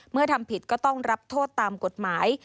ทำผิดก็ต้องรับโทษตามกฎหมาย